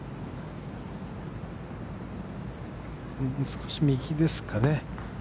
少し右ですかね。